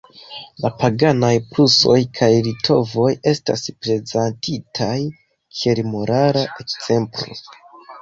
La paganaj prusoj kaj litovoj estas prezentitaj kiel morala ekzemplo.